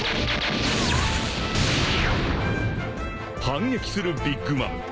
［反撃するビッグ・マム］